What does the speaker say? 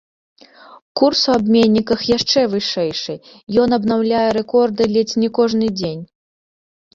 Курс у абменніках яшчэ вышэйшы, ён абнаўляе рэкорды ледзь не кожны дзень.